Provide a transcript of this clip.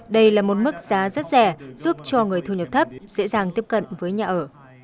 đây là một mức giá rất rẻ giúp cho người thu nhập thấp dễ dàng tiếp cận với nhà ở